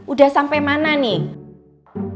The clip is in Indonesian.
udah sampe mana nih